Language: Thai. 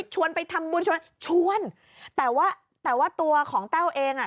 ชวนไปทำบุญชวนชวนแต่ว่าแต่ว่าตัวของแต้วเองอ่ะ